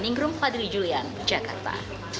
dami ningrum wadili julian jakarta